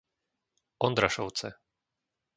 Ondrašovce